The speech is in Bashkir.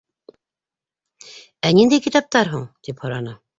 — Ә ниндәй китаптар һуң? — тип һораны.